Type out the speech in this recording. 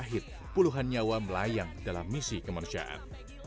pahit puluhan nyawa melayang dalam misi kemanusiaan